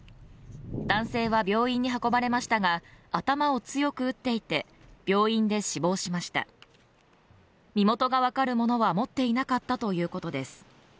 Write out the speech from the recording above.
男性は病院に運ばれましたが頭を強く打っていて病院で死亡しました身元が分かる物は持っていなかったということです